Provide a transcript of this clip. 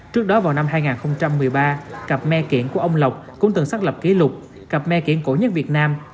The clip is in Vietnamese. trước đó vào năm hai nghìn một mươi ba cặp me kiện của ông lộc cũng từng xác lập kỷ lục cặp me kiện cổ nhất việt nam